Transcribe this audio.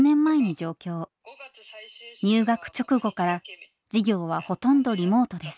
入学直後から授業はほとんどリモートです。